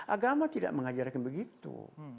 agama tidak mengajarkan begitu